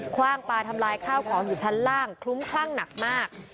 คว่างปลาทำลายข้าวของอยู่ชั้นล่างคลุ้มคลั่งหนักมาก